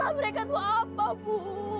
masalah mereka tuh apa bu